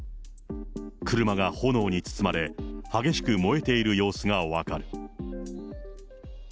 車が炎に包まれ、激しく燃えている様子が分かる。